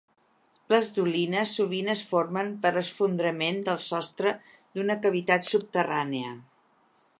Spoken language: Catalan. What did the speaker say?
Les dolines sovint es formen per esfondrament del sostre d'una cavitat subterrània.